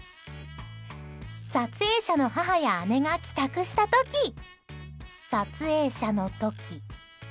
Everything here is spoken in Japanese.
撮影者の母や姉が帰宅した時撮影者の時。